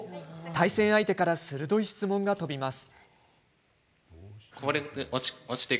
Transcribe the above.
対戦相手から鋭い質問が飛びます。